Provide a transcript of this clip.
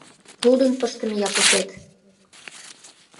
Лудын пыштыме Япыкет